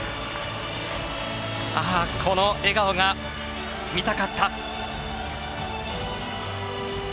ああ、この笑顔が見たかった！